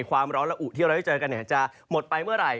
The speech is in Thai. ความร้อนละอุที่เราได้เจอกันจะหมดไปเมื่อไหร่